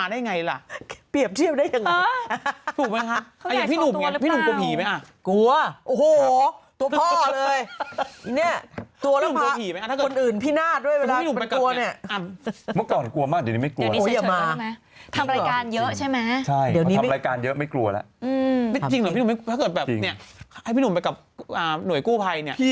เดี๋ยวพี่หนุมถ้าเกิดแบบเงี้ยพี่หนุมไปกับหน่วยกู้ภัย